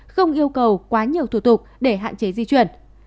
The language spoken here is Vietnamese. không yêu cầu quá nhiều thủ tục để hạn chế di chuyển